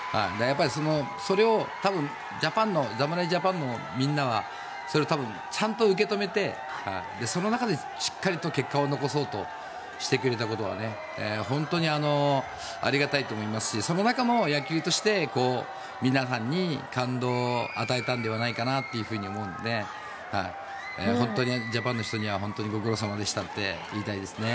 それを多分侍ジャパンのみんなはちゃんと受け止めてその中でしっかりと結果を残そうとしてくれたことは本当にありがたいと思いますしその中の野球として皆さんに感動を与えたのではないかなと思うので本当にジャパンの人にはご苦労様でしたって言いたいですね。